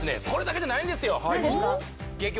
これだけじゃないんですよ